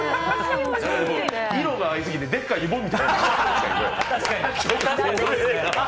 色が合いすぎてでっかいいぼみたい。